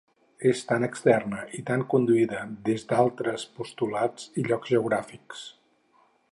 És tan externa i tan conduïda des d’altres postulats i llocs geogràfics.